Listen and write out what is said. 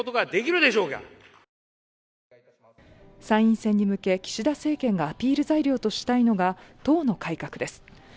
参院選に向け岸田政権がアピール材料としたいのが党の改革です。